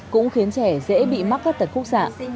cũng khiến trẻ dễ bị mắc tật khúc sạn